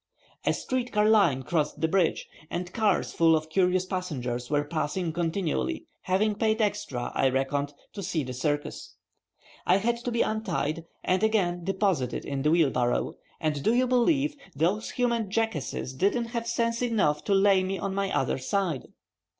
A street car line crossed the bridge, and cars full of curious passengers were passing continually, having paid extra, I reckoned, to see the circus. I had to be untied, and again deposited in the wheelbarrow, and do you believe, those human jackasses didn't have sense enough to lay me on my other side.